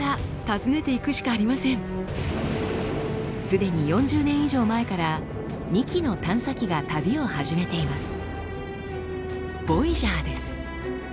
すでに４０年以上前から２機の探査機が旅を始めています。